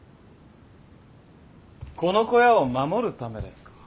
この小屋を守るためですか？